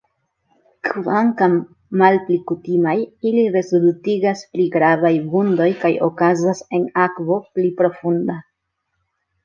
Kvankam malpli kutimaj, ili rezultigas pli gravajn vundojn kaj okazas en akvo pli profunda.